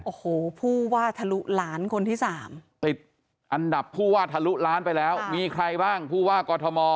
โอ้โหผู้ว่าทะลุล้านคนที่สามติดอันดับผู้ว่าทะลุล้านไปแล้วมีใครบ้างผู้ว่ากอทม